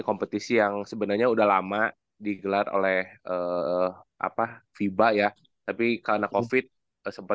kompetisi yang sebenarnya udah lama digelar oleh apa fiba ya tapi karena kofit sempat